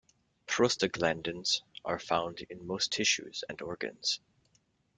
Prostaglandins are found in most tissues and organs.